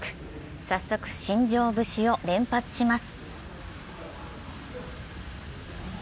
早速、新庄節を連発します。